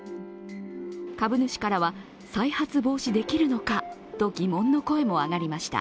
株主からは、再発防止できるのかと疑問の声も上がりました。